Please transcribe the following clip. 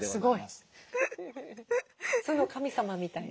すごい。